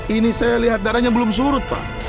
ini saya lihat darahnya belum surut pak